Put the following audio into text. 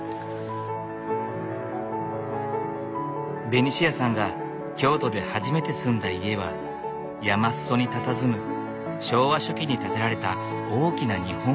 ベニシアさんが京都で初めて住んだ家は山裾にたたずむ昭和初期に建てられた大きな日本家屋。